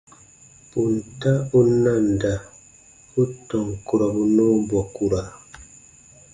Ponta u nanda u tɔn kurɔbu nɔɔ bɔkura.